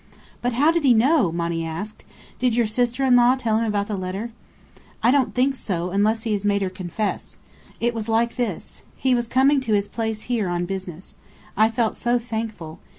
"But how did he know?" Monny asked. "Did your sister in law tell him about the letter?" "I don't think so, unless he has made her confess. It was like this: He was coming to his place here on business. I felt so thankful.